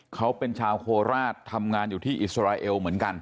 เขาเป็นชาวโคราชทำงานอยู่ที่อิสราเอลเหมือนกัน